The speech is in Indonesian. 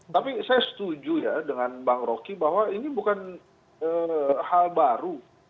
tapi saya setuju ya dengan bang roky bahwa ini bukan hal baru